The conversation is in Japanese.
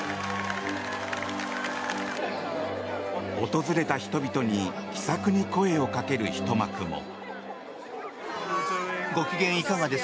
訪れた人々に気さくに声をかけるひと幕も。